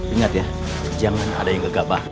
ingat ya jangan ada yang gegabah